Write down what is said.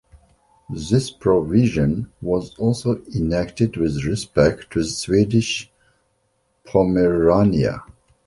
This provision was also enacted with respect to Swedish Pomerania.